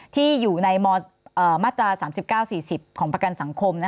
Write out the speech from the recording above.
ที่อยู่ในมาตรา๓๙๔๐ของประกันสังคม